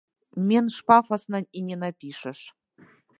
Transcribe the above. Менш пафасна і не напішаш.